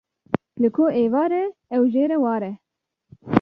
Li ku êvar e ew jê re war e.